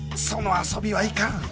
その遊びはいかん